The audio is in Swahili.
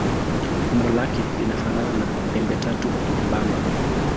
Umbo lake linafanana na pembetatu nyembamba.